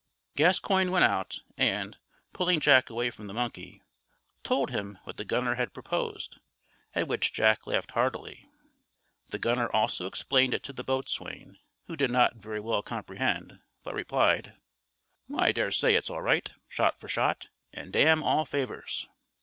Gascoigne went out, and, pulling Jack away from the monkey, told him what the gunner had proposed, at which Jack laughed heartily. The gunner also explained it to the boatswain, who did not very well comprehend, but replied: "I dare say it's all right, shot for shot, and damn all favours."